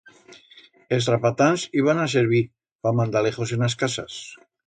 Es rapatans iban a servir, pa mandalejos en as casas.